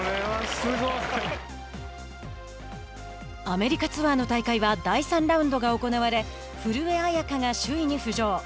アメリカツアーの大会は第３ラウンドが行われ古江彩佳が首位に浮上。